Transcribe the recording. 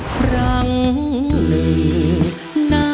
ครั้งหนึ่ง